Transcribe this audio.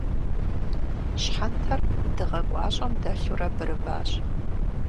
Щхьэнтэр дыгъэ гуащӏэм дэлъурэ бырыбащ.